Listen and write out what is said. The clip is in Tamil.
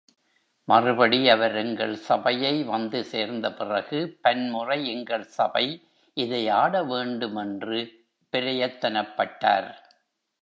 மறுபடி அவர் எங்கள் சபையை வந்து சேர்ந்த பிறகு பன்முறை எங்கள் சபை இதை ஆட வேண்டுமென்று பிரயத்தனப்பட்டார்.